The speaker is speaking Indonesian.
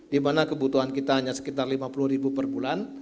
dimana kebutuhan kita hanya sekitar lima puluh ribu per bulan